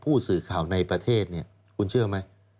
ผู้สื่อข่าวในประเทศเนี่ยคุณเชื่อไหม